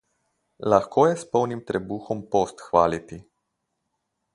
Lahko je s polnim trebuhom post hvaliti.